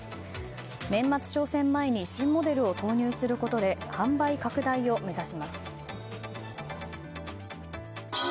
年末商戦前に新モデルを投入することで販売拡大を目指します。